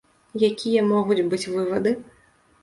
Якія могуць быць вывады?